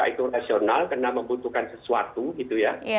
apakah mereka itu rasional karena membutuhkan sesuatu gitu ya